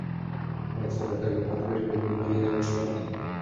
ملکیار هوتک د پښتو ژبې د لومړنۍ دورې شاعر دی.